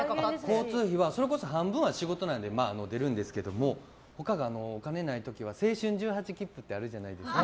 交通費は、それこそ半分は仕事なので出るんですけどお金ない時は青春１８きっぷってあるじゃないですか。